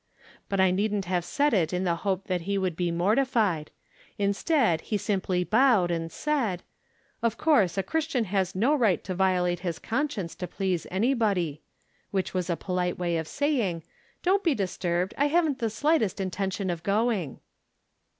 But I needn't have said it in the hope that he would be mortified ; instead, he simply bowed, and said :" Of course a Christian has no right to violate 222 From Different Standpoints. his conscience to please anyhody" whicli was a polite way of saying, " Don't be disturbed, I haven't the slightest intention of going."